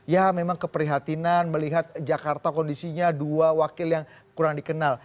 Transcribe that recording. ya memang keprihatinan melihat jakarta kondisinya dua wakil yang kurang dikenal